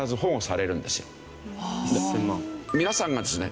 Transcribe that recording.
皆さんがですね